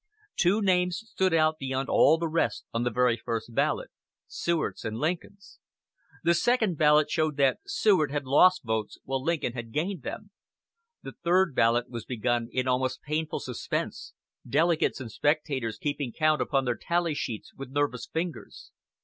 Two names stood out beyond all the rest on the very first ballot Seward's and Lincoln's. The second ballot showed that Seward had lost votes while Lincoln had gained them. The third ballot was begun in almost painful suspense, delegates and spectators keeping count upon their tally sheets with nervous fingers.